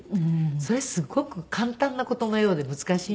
それすごく簡単な事のようで難しいんで。